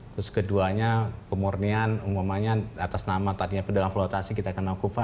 terus keduanya pemurnian umumannya atas nama tadinya penduduk valutasi kita kenal kupfa